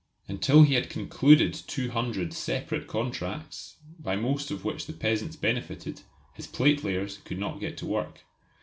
Until he had concluded two hundred separate contracts, by most of which the peasants benefited, his platelayers could not get to work.